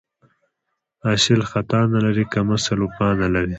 اصیل خطا نه لري، کم اصل وفا نه لري